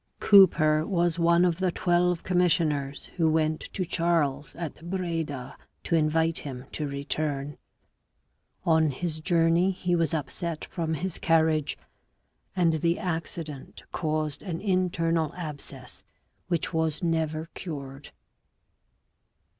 Cooper was one of the twelve commissioners who went to Charles at Breda to invite him to return. On his journey he was upset from his carriage, and the accident caused an internal abscess which was never cured.